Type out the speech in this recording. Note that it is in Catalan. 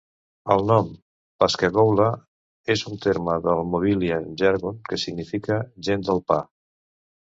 El nom "Pascagoula" és un terme del Mobilian Jargon que significa "gent del pa".